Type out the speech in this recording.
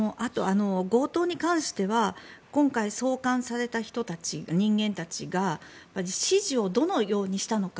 強盗に関しては今回、送還された人たち人間たちが指示をどのようにしたのか。